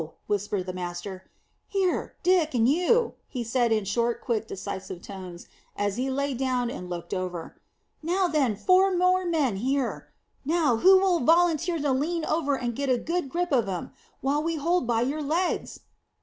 whispered the master. "Here, Dick, and you," he said in short, quick, decisive tones, as he lay down and looked over. "Now, then, four more men here. Now, who'll volunteer to lean over and get a good grip of him, while we hold by your legs?"